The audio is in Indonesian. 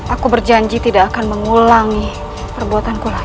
aku berjanji tidak akan mengulangi perbuatanku